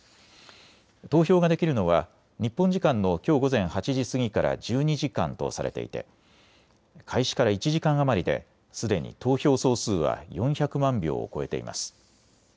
投票ができるのは日本時間のきょう午前８時過ぎから１２時間とされていて開始から１時間余りですでに投票総数は４００万票を超えています。